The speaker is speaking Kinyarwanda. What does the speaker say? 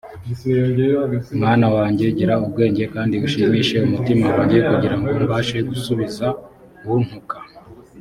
mwana wanjye gira ubwenge kandi ushimishe umutima wanjye kugira ngo mbashe gusubiza untuka